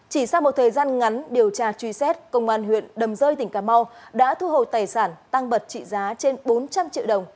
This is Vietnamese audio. chỉ sau một thời gian ngắn điều tra truy xét công an huyện đầm rơi tỉnh cà mau đã thu hồi tài sản tăng vật trị giá trên bốn trăm linh triệu đồng